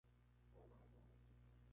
La Organización hubo de pedir permisos.